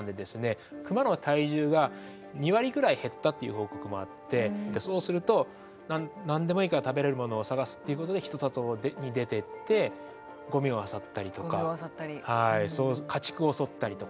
少なくとも分かっているのはそうすると何でもいいから食べれるものを探すっていうことで人里に出ていってゴミをあさったりとか家畜を襲ったりとか。